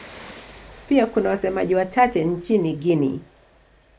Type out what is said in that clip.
Pia kuna wasemaji wachache nchini Guinea.